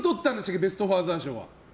ベスト・ファーザー賞は。